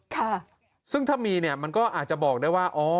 ค่ะซึ่งถ้ามีเนี่ยมันก็อาจจะบอกได้ว่าอ๋อ